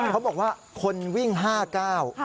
เขาบอกว่าคนวิ่งห้าเก้า